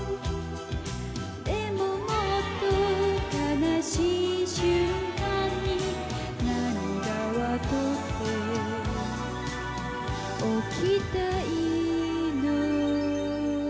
「でももっと哀しい瞬間に涙はとっておきたいの」